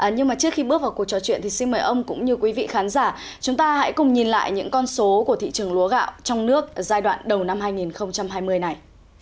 nhưng mà trước khi bước vào cuộc trò chuyện thì xin mời ông cũng như quý vị khán giả chúng ta hãy cùng nhìn lại những con số của thị trường lúa gạo trong nước giai đoạn đầu năm hai nghìn hai mươi này